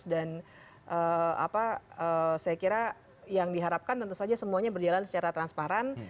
dan saya kira yang diharapkan tentu saja semuanya berjalan secara transparan